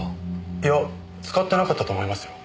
いや使ってなかったと思いますよ。